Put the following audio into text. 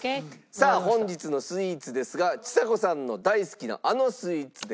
さあ本日のスイーツですがちさ子さんの大好きなあのスイーツでございます。